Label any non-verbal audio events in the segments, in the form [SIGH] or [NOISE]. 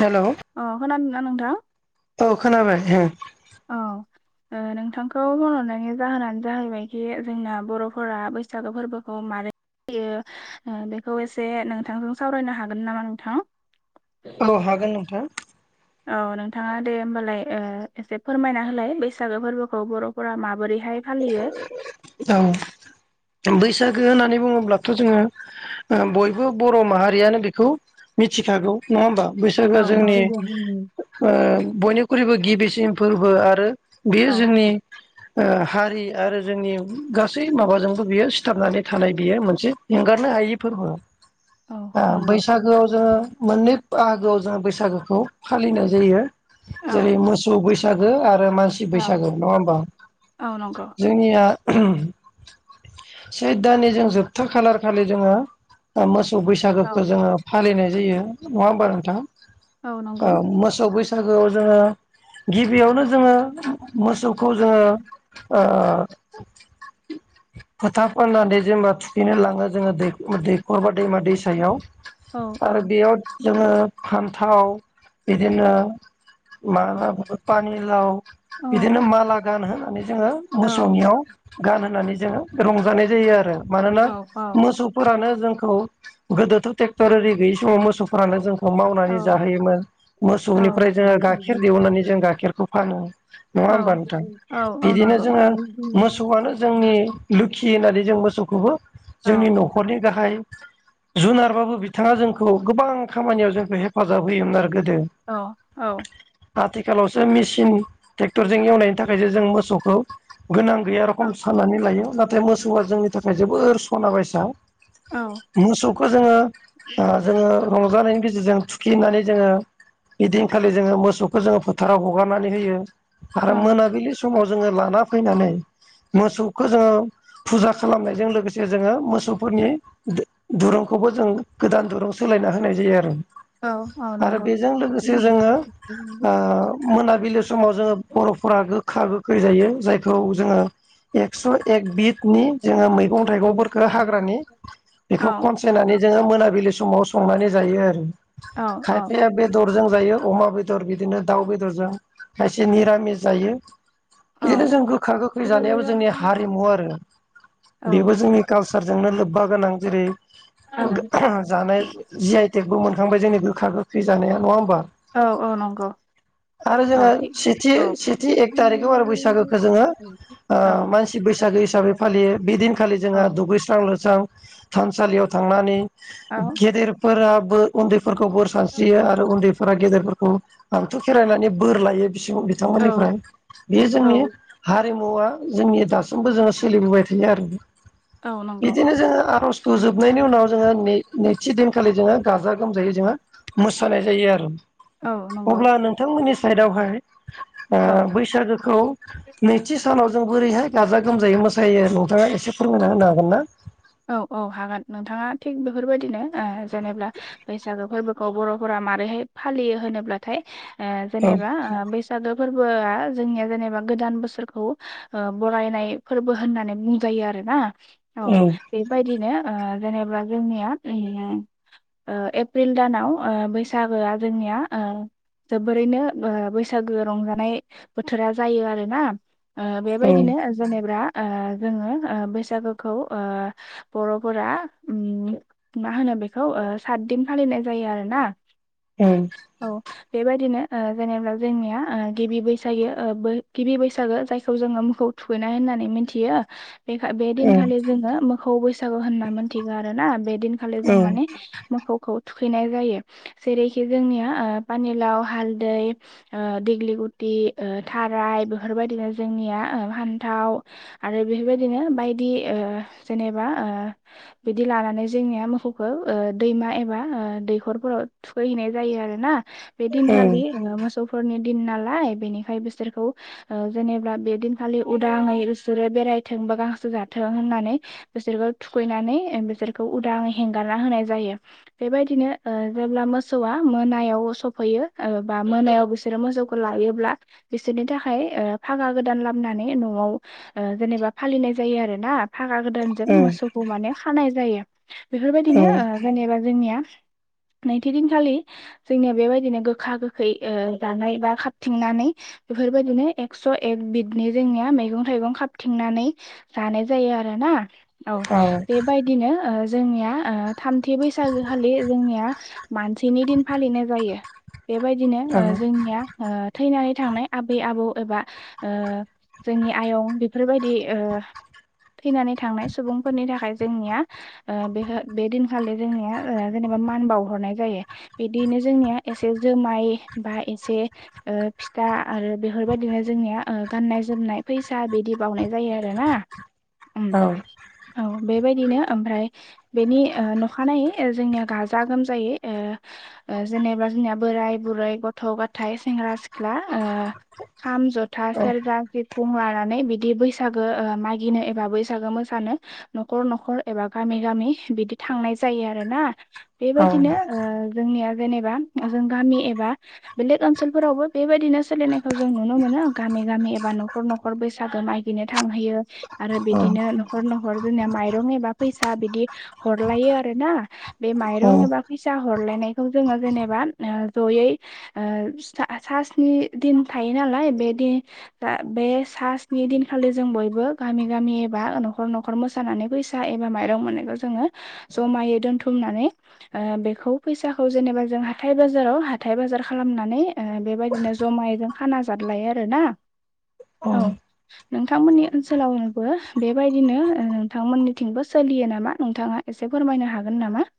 हेल' अ खोनादों ना नोंथां? औ खोनाबाय ओ। औ ओ नोंथांखौ होनहरनायनि जाहोनानो जाहैबायखि जोंना बर'फोरा बैसागो फोरबोखौ मारै [UNINTELLIGIBLE] बेखौ एसे नोंथांजों सावरायनो हागोन नामा नोंथां? औ हागोन नोंथां। औ नोंथाङा दे होमबालाय ओ एसे फोरमायना होलाय बैसागो फोरबोखौ बर'फोरा माबोरै औ बैसा गो होननानै बुङोब्लाथ' जोङो ओ बयबो बर' माहारियानो बेखौ मिथिखागौ नङा ओमबा? बैसागोआ औ जोंनि ओ बयनिख्रुइबो गिबिसिन फोरबो आरो बेयो औ जोंनि ओ हा रि आरो जोंनि गासै माबाजोंबो बियो सिथाबनानै थानाय बियो मोनसे एंगारनो हायै फोरबो । औ ओ नंगौ बैसागोआव जोङो मोननै बाहागोआव जों बैसागोखौ फालिनाय जायो औ जेरै मोसौ बैसा सागो आरो मानसि औ बैसागो नङा ओमबा? औ नंगौ जोंनिया सैद दाननि जों जोबथा खालार खालि जोङो ओ मौ सौ औ बैसागोखौ जोङो फालिनाय जायो नङा ओमबा नोंथां? औ ओ नंगौ मोसौ बैसा गोआव जोङो गिबियावनो जोङो मोसौखौ जोङो ओ फोथा फोननानै जेनेबा थुखैनो लाङो जोङो दै दैखर बा दैमा दैसायाव औ । औ आरो बेयाव जोङो फान्थाव बिदिनो माबा पानिलाव बिदिनो माला गान होनानै जोङो औ मोसौनियाव गान होनानै जों रंजानाय जायो आरो मानोना औ मोसौफोरानो जोंखौ गोदोथ' टेक्टर आरै गैयै समाव मोसौफोरानो जों खौ औ मावनानै जाहोयोमोन। मोसौनिफ्राय जोङो गाइखेर दिहुननानै जों गाइखेरखौ फानो । औ औ बिदिनो नंगौ जोङो मोसौआनो जोंनि लोखि होननानै जों मोसौखोबो औ जोंनि न'खरनि गाहाय जुनारबाबो बिथाङा जोंखौ गोबां खामानियाव जोंखौ हेफाजाब होयोमोन आरो । औ औ आथिखालावसो मेसिन ट्रेक्टरजों एवनायनि थाखायसो जों मोसौखौ गोनां गैया औ रखम साननानै लायो नाथाय मोसौआ जोंनि थाखाय जोबोर सना बायसा । मोसौखौ जोङो ओ जोङो रंजानायनि गेजेरजों थुखिनानै जोङो बिदिनखालि जोङो मोसौखौ जोङो फोथाराव हगारनानै होयो आरो औ मोनाबिलि स माव जोङो लाना फैनानै मोसौखो जोङो फुजा खालामनायजों लोगोसे जोङो मोसौफोरनि दो-दुरुंखौ खौबो जों गोदान दुरूं सोलायना होनाय जायो आरो । औ औ आरो नंगौ बेजों लोगोसे जोङो ओ मोनाबिलि समाव जोङो बर'फोरा गो खा गोखै जायो जायखौ जोङो एकस' एक बिनि जोङो मै मैं-थाइगंफोरखौयो हाग्रानि औ बेखौ खनसेनानै जोङो मोना बिलि समाव संनानै जायो आरो औ औ खायफाया बेदर जों जायो अमा बेदर बिदिनो दाउ बेदरजों खायसे निरामिस जायो । बिदिनो औ जों गोखा गोखै औ जानायाबो जोंनि हारिमु आरो। बेबो जोंनि काल सारजोंनो लोब्बा गोनां जेरै जानाय जिआइटेक बो मोनखांबाय जोंनि गोखा गोखै जानाय नङा ओममबा । औ औ नंगौ आरो औ जोंहा थिग सेथि औ सेथि एक औ टारिखआव आरो बैसागोखो जोङो ओ मानसि बैसागो हिसाबै फालियो बेदिनखालि औ जोंहा दुगैस्रां लोबस्रां थानसालियाव थांनानै गेदेरफोराबो उन्दैफोरखौ बोर सानस्रियो आरो उन्दै फोरा गेदेरफोरखौ हानथु' खेरायनानै बोर लायो बिसि औ बिथांमोननिफ्राय बे जोंनि हारिमुवा जोंनि दासिमबो जोङो सोलिबोबाय थायो आरो । औ नंगौ बिदिनो जोङो आर'जखौ जोबनायनि उनाव जोङो नै नैथि दिनखालि जोङो गाजा गोमजायै जोङो मोसानाय जायो आरो औ नंगौ अब्ला नोंथांमोननि साइडआवहाय ओ औ बैसागोखौ नैथि सान सानाव जों बोरैहाय गाजा गोमजायै मोसायो नोंथाङा एसे फोरमायना होनो हागोन ना? औ औ हागोन नोंथाङा थिग बेफोरबायदिनो जेनेब्ला बैसागो फोरबोखौ बर'फोरा मारैहाय फालियो होनोब्लाथाय ओ औ जेनेबा ओ बैसागो फोर फोरबोआ जोंनिया जेनेबा गोदान बोसोरखौ ओ बरायनाय फोरबो होननानै बुंजायो आरोना। औ। बिदिनो ओ ओ जेनेबा जोंनिया उम ओ एप्रिल दानाव ओ बैसागोआ जोंनिया आ ओ जोबोरैनो ओ बैसागो रंजानाय बोथोरा जायो आरोना। ओ औ बेबायदिनो जेनेब्रा ओ जोङो ओ बैसागोखौ ओ बर'फोरा मा होनो बेखौ ओ सातदिन फालिनाय जायो आरोना। औ बेबायदिनो ओ जेनेबा जोंनिया ओ गिबि बैसायो ओ बो गिबि बैसागो जायखौ जोङो मोखौ थुखैनाय होन नानै मिथियो बिखा बे दिनखालि जोङो मोखौ बैसागु होनना मिथिग आरोना बे दिनखालि जों औ माने मोखौखौ थुखैनाय जायो जेरैखि जोंनिया ओ पानिलाव हालदै ओ देग्लिगुथि ओ थाराइ बेफोरबायदिनो जोंनिया ओ फानथाव आरो बेफोर बायदिनो बाइदि ओ जेनेबा ओ बिदि लानानै जोंनिया मोखौखो ओ दैमा एबा ओ दैखरफोराव थुखैहैनाय जायो आरो ना बे औ दिनखालि ओ मोसौफोरनि दिन नालाय बेनिखाय बिसोरखौ ओ जेनेबा बे दिनखालि उदाङै बिसोरो बेरायथों थों बा गांसो जाथों होननानै बिसोरखौ थुखैनानै ओ बिसोरखौ उदांयै हेंगारना होनाय जायो बेबायदिनो ओ अब्ला मोसौआ मोनायाव सफैयो ओ बा मोनायाव बिसोरो मोसौखौ लायोब्ला बिसोरनि थाखाय ओ फागा गोदान लाबनानै न'आव ओ जेनेबा फालिनाय जायो आरोना। फागा गोदानजों मोसौखौ माने खानाय जायो बेफोरबायदिनो ओ जेनेबा जोंनिया [INAUDIBLE] नैथि दिनखालि जोंनिया बेबायदिनो गोखा गोखै ओ जानाय बा खाबथिंनानै बेफोरबायदिनो एकस' एक बिदनि जोंनिया मैगं थाइगं खाबथिंनानै जानाय जायो आरो। आरोना औ बेबायदिनो ओ जोंनिया ओ थामथि बैसागोखालि जोंनिया मानसिनि दिन फालिनाय जायो। बेबायदिनो ओ जोंनिया ओ थैनाय थांनाय आबै आबौ एबा ओ जोंनि आयं बेफोरबायदि ओ थैनानै थांनाय सुबुंफोरनि थाखाय जोंनिया ओ बेहो बे दिनखालि जोंनिया ओ जेनेबा मान बावहरनाय जायो बिदिनो जोंनिया एसे जोमाय बा एसे ओ फि था आरो बेफोरबायदिनो जोंनिया ओ गाननाय जोमनाय फैसा बिदि बावनाय जायो आरोना। उम औ बे बेबायदिनो ओमफ्राय बेनि ओ नखानायै ओ जोंनिया गाजा गोमजायै ओ ओ जेनेबा जोंनिया बोराय बुरै गथ' गथायाइ सेंग्रा सिख्ला ओ खाम जथा सेरजा सिफुं लानानै बिदि बैसागो ओ मागि गिनो एबा बैसागो मोसानो न'खर न'खर एबा गामि गामि बिदि थांनाय जायो आरोना। बेबायदिनो ओ जोंनिया जेनेबा जों गामि एबा बेलेक ओनसोलफोरावबो बेबायाददिनो सोायनायखौ जों नुनो मोनो गामि ग गामि एबा न'खर न'खर बैसागो मागिनो थांहैयो। आरो बिदिनो न'खर न'खर जोंनिया माइरं एबा फैसा बिदि हरलायो आरोना। बे औ माइरं एबा फैसा हरलायनायखौ जोङो जेनेबा ओ जयै ओ सिथा सास्नि दिन थायो नालाय बेदि दा बे सा स्नि दिनखालि जों बयबो गामि गामि एबा न'खर न'खर मोसानानै फैसा एबा माइरं मोननायखौ जोङो जमायै दोनथुम नानै ओ बेखौ फैसाखौ जेनेबा जों हाथाय बाजाराव हाथाय बाजार खालामनानै ओ बे बेबायदिनो जमाय खाना जादलायो आरोना औ नोंथांमोननि ओनसो सोलावनोबो बेबायदिनो ओ नोंथांमोननिथिंबो सोलियो नामा नोंथाङा एसे फोरमायनो हागोन नामा? [INAUDIBLE]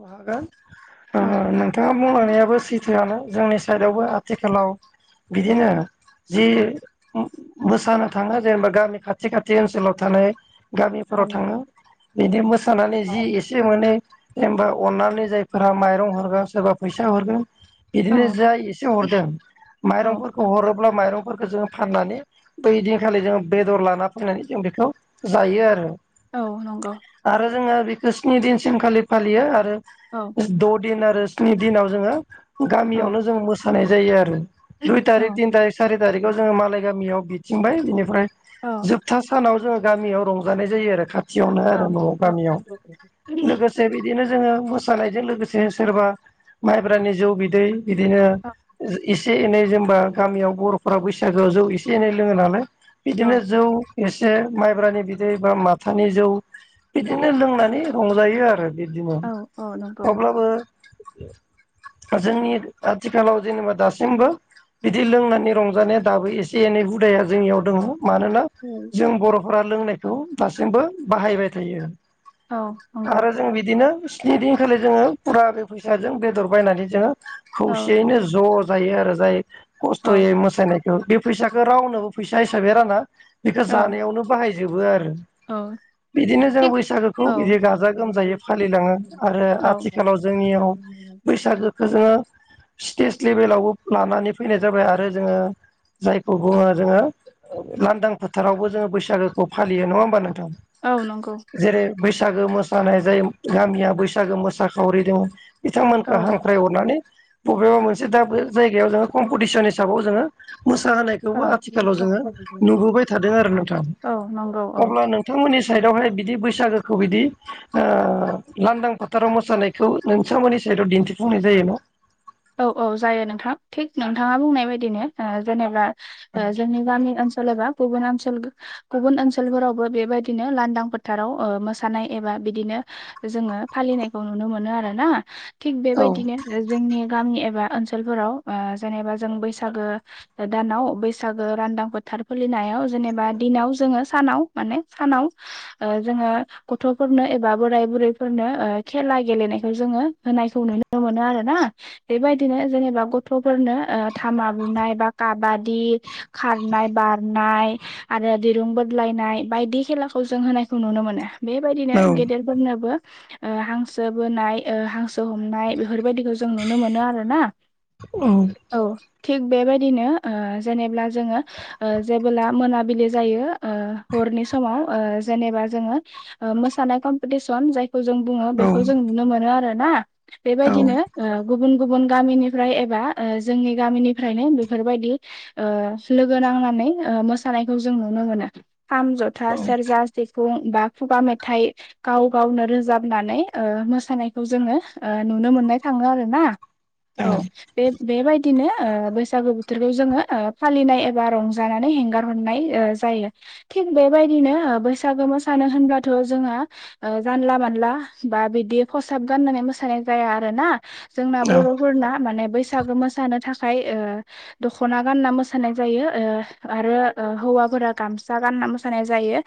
[INAUDIBLE] नोंथाङा बुंलांनायाबो औ सैथोआनो जोंनि साइडआवबो ओं आथिखालाव बिदिनो जि मोसानो थाङा जेनेबा गामि खाथि खाथि ओनसोलाव थानाय औ गामिफोराव थाङो बिदि मोसानानै जि औ एसे मोननै जेनबा अननानै मे जायफोरा माइरं हरगोन सोरबा फैसा हरगोन। बिदिनो औ जाय एसे हरदों औ माइरंफोरखौ हरो। अब्ला माइरंफोरखौ जोङो फाननानै बैदिनखालि जोङो बेदर लाना फैनानै जों बेखौ जायो आरो। औ नंगौ आरो जोङो बेखौ स्नि दिनसिम खालि फालियो आरो औ द' दिन आरो। नि दिनाव जोङो औ औ गामियावनो जों मोसानाय जायो आरो दुइ औ थारिख तिन थारिख सारि थारिख। बेखौ जोङो मालाय गामियाव बिथिंबाय बिनिफ्राय जोबथा सानाव जोंङो गामियाव रंजानाय जायो आरो खाथियावनो आरो न'आव औ गामियाव लोगोसे बिदिनो। जोङो मोसानायजों लोगोसे सोरबा माइब्रानि जौ बिदै बिदिनो एसे एनै जेनबा गामियाव बर'फोरा बैसागोआव जौ एसे एनै लोङो नालाय औ बिदिनो जौ एसे माइब्रानि बिदै बा माथानि जौ बिदिनो लोंनानै रंजायो आरो बिदिमोन औ औ नंगौ औ अब्लाबो [INAUDIBLE] जोंनि आथिखालाव जेनेबा दासिमबो बिदि लोंनानै रंजानाया दाबो एसे एनै हुदाया जोंनियाव दङ। मानोना जों बर'फोरा लोंनायखौ दासिमबो बाहायबाय थायो आरो नंगौ आरो जों बिदिनो स्नि दिनखालि जोङो फुरा बे फैसाजों बेदर बायनानै जोङो औ खौसेयैनो ज' जायो आरो जाय औ खस्थ'यै मोसानायखौ बे फैसाखौ रावनोबो फैसा हिसाबै राना बेखौ औ जानायावनो बाहायो जोबो आरो औ। बिदिनो जों थिग बैसागोखौ औ औ बिदि गाजा गोमजायै फालिलाङो आरो नंगौ औ आथिखालाव जों जोंनियाव बैसागोखौ जोङो स्टेट लेभेलावबो लानानै फैनाय जाबाय आरो जोङो जायखौ बुङो जोङो लांदां फोथारावबो जोङो बैसागोखौ फालियो नङा होमबा नोंथां। औ जेरै बैसागो मोसानाय जायो गामिया बैसागो मोसाखावरि दङ बिथांमोनखौ हांख्रायहरनानै बबेबा मोनसे दा बे जायगायाव जोङो कम्पिटिसन हिसाबाव जोङो मोसाहोनायखौबो आथिखालाव जोङो नुबोबाय थादों आरो नोंथां औ नंगौ औ अब्ला नोंथांमोननि साइावहाय बिदि बैसागोखौ बिदि लांदां फोथाराव मोसानाय खौ नोंसांमोननि सायावदआव दिन्थिफुंनाय जायोना औ औ जायो नोंथां थिग नोंथाङा बुंनाय बायदिनि ओ जेनेबा ओ जोंनि ग्रामि ओनचोल एबा गुबुन ओनसोल गुबुन ओनसोलफोरावबो बेबायदिनो लांदां फोथाराव ओ मोसानाय एबा बिदिनो जोङो फालिनायखौ नुनो मोनो आरोना थिग औ बेबायदिनो जोंनि गामि एबा ओनसोलाव ओ जेनेबा जों बैसागो दानाव बैसागो लानदां फोथार नायाव जेनेबा दिनाव जोंङो सानाव माने सानाव ओ जो गथ'फोरनो एबा बोराय बुरैफोरनो खेला गेलेनायखौ जोङो होनायखौ नुनो मोनो आरो ना बेबायदिनो जेनेबा गथ'फोरनो थामा बुनाय बा काबादि खारनाय बा खारनाय आरो दिरुं बदलायनाय बायदि खेलाखौ जों होनायखौ नुनो मोनो। बेबायदिनो औ गेदेरफोरनोबो ओ हांसो बोनाय हांसो हमनाय बेफोरबायदिखौ जों नुनो मोनो आरो ना। औ। थिग बेबायदिनो ओ जेनेब्ला जोङो जेबोला मोनाबिलि जायो। हरनि समाव ओ जेनेबा जोंङो मोसानाय कम्पिटेसन जा जों बुंङो औ बेखौ जों नुनो मोनो आरोना औ बेबायदिनो ओ गुबुन-गुबुन गामिनिफ्राय एबा ओ जोंनि गामिनिफ्रायनो बेफोरबायदि ओ लोगो नां थानै ओ मोसानायखौ जों नुनो‌ मोनो खाम, जथा, सेरजा बुं खुगा मेथाइ गाव गावनो रोजाबनानै ओ मोसानायखौ जोंङो ओ नु नो मोननाय थांङो आरो ना औ बे बेबायदिनो ओ बैसागु बोथोरखौ जोंङो ओ फालिनाय एबा रंजानानै हेंगार हरनाय ओ जायो थिग बेबायदिनो ओ बैसागो मोसानो होनबथ जोंङो जानला-मोनला बा बिदि फसाब गाननानै मोसानाय जाया आरो ना जोंना औ बरफोरना माने बैसागो मोसानो थाखाय फाय ओ दखना गानना मोसानाय जायो ओ आरो हौवाफोरा गामसा गान आ मोसानाय जायो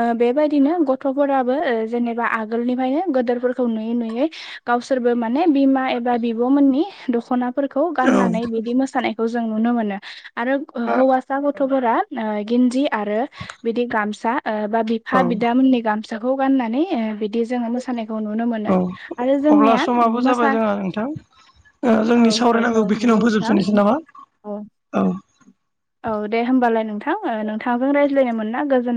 ओ बेबायदिनो गथफोराबो जेनेबा आगोलनिफ्रायनो गोदोरफोरखौ नुयै-नुयै गावसोरबो माने बिमा ए बा बिबमोननि दखनाफोरखौ औ गाननानै बिदि मोसानायखौ जों नुनो मोनो आरो हौवासा गथफोरा गिन्दि आरो बिदि गामसा ओ‌ बा बिफा बिदामोननि गामसाखौ गाननानै ओ बिदि जोंङो मोसानाय खौ नुनो मोनो आरो अब्ला जोंनिया समाबो जाबाय मोसा जोंहा नोंथां ओ औ जोंनि औ सावरायनांगौ बेखिनियाव नंगौ नोंथां फोजोबसिनोसै नामा औ औ दे होमबालाय नोंथां नोंथांजों रायज्लायनो मोनना गोजोन